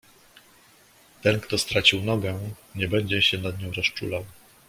"Ten kto stracił nogę nie będzie się nad nią rozczulał."